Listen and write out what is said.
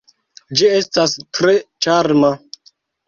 Ĝi estas tre ĉarma.